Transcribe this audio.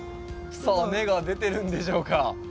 さあ根が出てるんでしょうか？